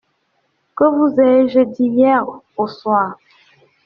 Que vous ai-je dit hier au soir ?